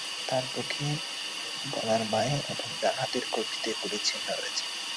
তাঁর বুকে, গলার বাঁয়ে এবং ডান হাতের কবজিতে গুলির চিহ্ন রয়েছে।